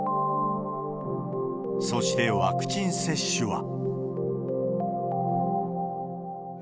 そして、ワクチン接種は。